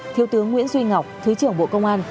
thiếu tướng nguyễn duy ngọc thứ trưởng bộ công an